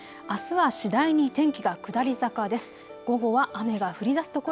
あすは次第に天気が下り坂です。